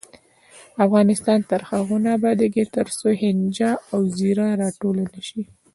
افغانستان تر هغو نه ابادیږي، ترڅو هینجه او زیره راټوله نشي.